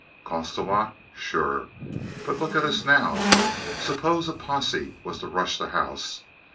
"Cost a lot. Sure. But look at us now. Suppose a posse was to rush the house.